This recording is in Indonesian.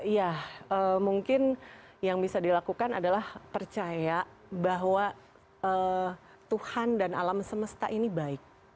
ya mungkin yang bisa dilakukan adalah percaya bahwa tuhan dan alam semesta ini baik